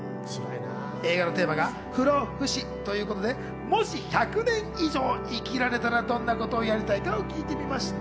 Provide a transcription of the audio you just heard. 映画のテーマは不老不死ということで、もし１００年以上生きられたら、どんなことをやりたいかを聞いてみました。